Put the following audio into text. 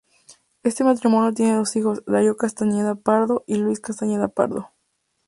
Este matrimonio tiene dos hijos: Darío Castañeda Pardo y Luis Castañeda Pardo.